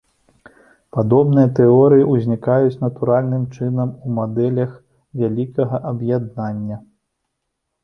Падобныя тэорыі ўзнікаюць натуральным чынам у мадэлях вялікага аб'яднання.